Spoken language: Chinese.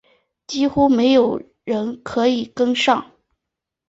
几乎没有人可以跟上